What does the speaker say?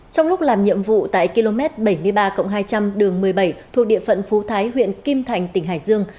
trong lúc làm nhiệm vụ tại km bảy mươi ba hai trăm linh đường một mươi bảy thuộc địa phận phú thái huyện kim thành tỉnh hải dương